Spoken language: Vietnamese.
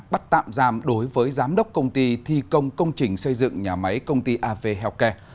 bắt tạm giam đối với giám đốc công ty thi công công trình xây dựng nhà máy công ty av healthcare